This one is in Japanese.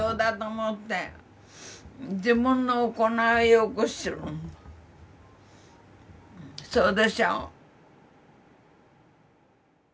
そうでしょう？